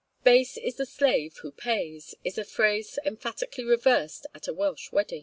'Base is the slave who pays' is a phrase emphatically reversed at a Welsh wedding.